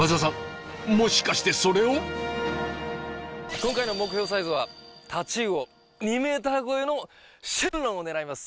今回の目標サイズはタチウオ２ｍ超えの神龍を狙います。